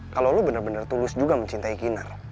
kalo lo bener bener tulus juga mencintai kinar